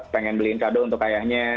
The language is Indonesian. mungkin beliin kado untuk ayahnya